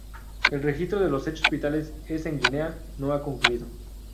El registro de los hechos vitales es en Guinea no ha concluido.